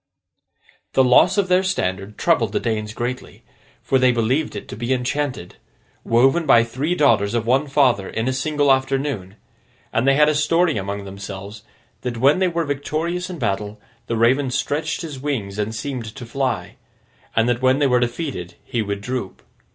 The loss of their standard troubled the Danes greatly, for they believed it to be enchanted—woven by the three daughters of one father in a single afternoon—and they had a story among themselves that when they were victorious in battle, the Raven stretched his wings and seemed to fly; and that when they were defeated, he would droop.